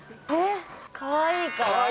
えー、かわいいから。